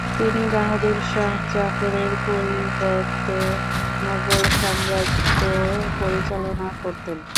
তিনি বাহাদুর শাহ জাফরের পরিবর্তে মুঘল সাম্রাজ্য পরিচালনা করতেন।